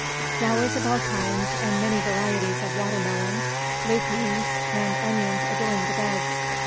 Flowers of all kinds, and many varieties of watermelons, lupines, and onions adorned the beds.